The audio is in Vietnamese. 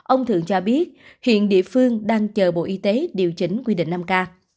ông thượng cho biết hiện địa phương đang chờ bộ y tế điều chỉnh quy định năm k